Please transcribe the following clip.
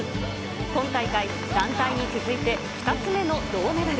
今大会、団体に続いて２つ目の銅メダル。